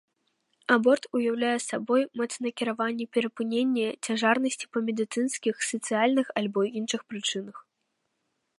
Аборт уяўляе сабой мэтанакіраванае перапыненне цяжарнасці па медыцынскіх, сацыяльных альбо іншых прычынах.